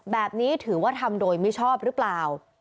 แบบนี้ถือว่าทำโดยมิชอบหรือเปล่า